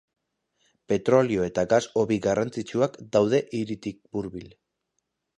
Petrolio eta gas-hobi garrantzitsuak daude hiritik hurbil.